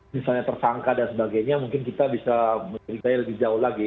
misalnya tersangka dan sebagainya mungkin kita bisa menceritanya lebih jauh lagi